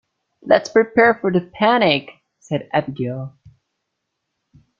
"Let's prepare for the picnic!", said Abigail.